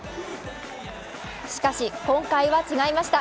しかし今回は違いました。